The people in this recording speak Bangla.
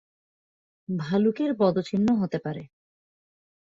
ভালুকের পদচিহ্ন হতে পারে।